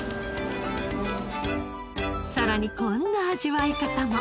さらにこんな味わい方も。